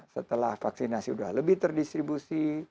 setelah vaksinasi sudah lebih terdistribusi